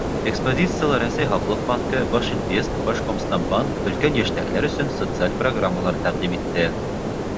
Экспозицияла Рәсәй Һаҡлыҡ банкы, «Башинвестбанк», «Башкомснаббанк» өлкән йәштәгеләр өсөн социаль программалар тәҡдим итте.